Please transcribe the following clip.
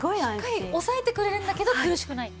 しっかり押さえてくれるんだけど苦しくない。